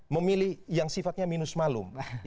memilih yang sifatnya minus malu